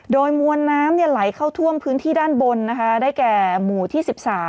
โดยมวลน้ำไหลเข้าท่วมพื้นที่ด้านบนนะคะได้แก่หมู่ที่๑๓